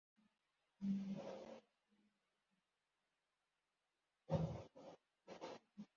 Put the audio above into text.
ko nyirerume eri we wemuteye inde